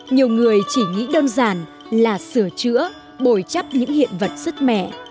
nhiều người chỉ nghĩ đơn giản là sửa chữa bồi chắp những hiện vật sứt mẻ